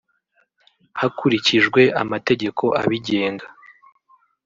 hakurikijwe amategeko abigenga